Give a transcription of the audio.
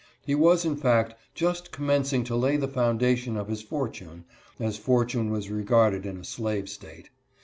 He was, in fact, just commencing to lay the foundation of his fortune, as fortune was regarded in a slave state.